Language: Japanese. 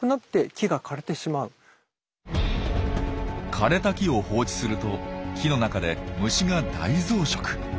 枯れた木を放置すると木の中で虫が大増殖。